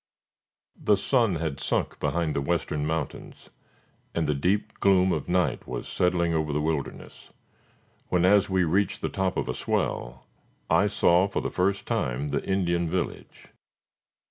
The sun had sunk behind the western mountains, and the deep gloom of night was settling over the wilderness, when as we reached the top of a swell, I saw for the first time the Indian village.